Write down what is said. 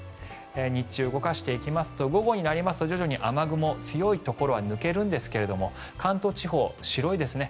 日中、動かしていきますと午後になると徐々に雨雲強いところは抜けるんですが関東地方、白いですね。